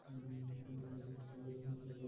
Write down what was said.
একদম স্কেচটার মতোই হয়েছে, তাই না?